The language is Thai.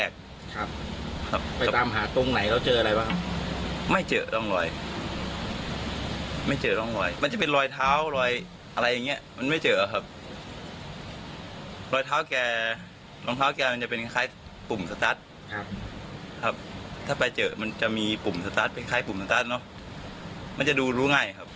ถ้าไปเจอมันจะมีปุ่มสตาร์ทเป็นคล้ายปุ่มสัสเนอะมันจะดูรู้ง่ายครับ